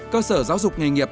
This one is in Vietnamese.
cơ sở giáo dục nghề nghiệp